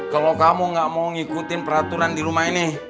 kalau kamu gak mau ngikutin peraturan di rumah ini